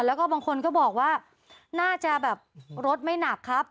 แล้วก็บางคนก็บอกว่าน่าจะแบบรถไม่หนักครับ